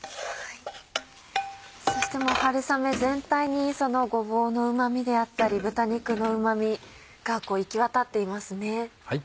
そして春雨全体にそのごぼうのうま味であったり豚肉のうま味が行き渡っていますね。